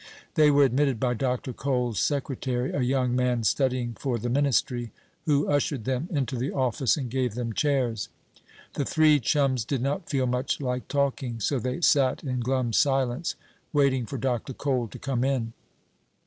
They were admitted by Dr. Cole's secretary, a young man studying for the ministry, who ushered them into the office, and gave them chairs. The three chums did not feel much like talking, so they sat in glum silence, waiting for Dr. Cole to come in.